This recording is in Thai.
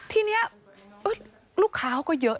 ที่นี่ลูกค้าก็เยอะนะ